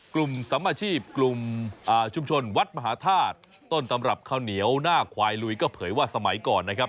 กลุ่มสำอาชีพกลุ่มชุมชนวัดมหาธาตุต้นตำรับข้าวเหนียวหน้าควายลุยก็เผยว่าสมัยก่อนนะครับ